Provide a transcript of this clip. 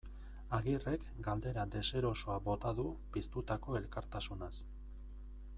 Agirrek galdera deserosoa bota du piztutako elkartasunaz.